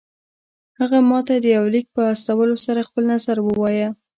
هغه ماته د يوه ليک په استولو سره خپل نظر ووايه.